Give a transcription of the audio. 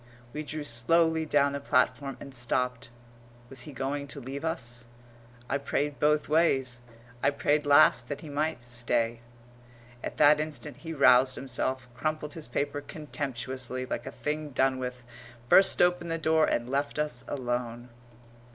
We drew slowly down the platform and stopped. Was he going to leave us? I prayed both ways I prayed last that he might stay. At that instant he roused himself, crumpled his paper contemptuously, like a thing done with, burst open the door, and left us alone.